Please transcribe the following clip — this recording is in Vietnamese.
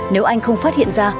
nếu anh không phát hiện ra